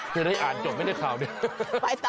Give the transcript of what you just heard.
ที่ได้อ่านจบไม่ได้ข่าวเนี่ย